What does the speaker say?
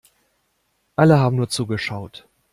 Alle haben nur zugeschaut.